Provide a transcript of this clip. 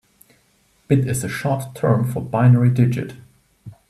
Bit is the short term for binary digit.